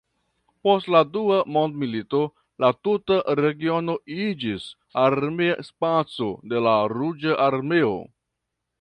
Post la Dua mondmilito la tuta regiono iĝis armea spaco de la Ruĝa Armeo.